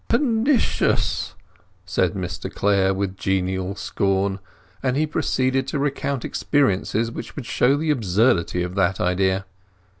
"Pernicious!" said Mr Clare, with genial scorn; and he proceeded to recount experiences which would show the absurdity of that idea.